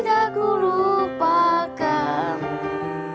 tidak ku lupakanmu